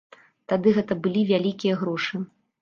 Тады гэта былі вялікія грошы.